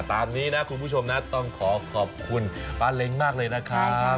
ตามนี้นะคุณผู้ชมนะต้องขอขอบคุณป้าเล้งมากเลยนะครับ